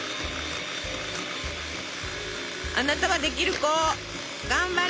あなたはできる子頑張れ！